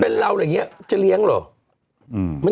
เป็นเราอย่างนี้จะเลี้ยงเหรอ